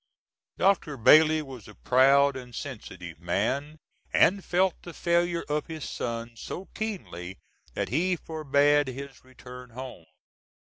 Dr. Bailey was a proud and sensitive man, and felt the failure of his son so keenly that he forbade his return home.